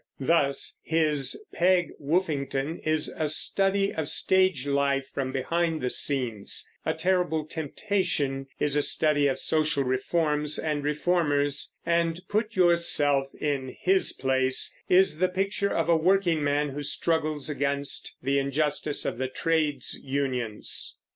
Thus his Peg Woffington is a study of stage life from behind the scenes; A Terrible Temptation is a study of social reforms and reformers; and Put yourself in his Place is the picture of a workingman who struggles against the injustice of the trades unions.